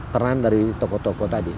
peran dari tokoh tokoh tadi